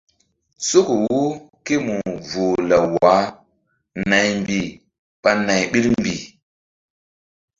Soko wo ké mu voh law wah naymbih ɓa nay ɓil mbih.